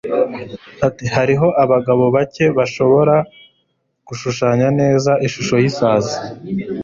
Ati: "Hariho abagabo bake bashobora gushushanya neza ishusho y'isazi"